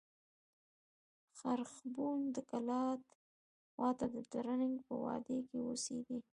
خرښبون د کلات خوا ته د ترنک په وادي کښي اوسېدئ.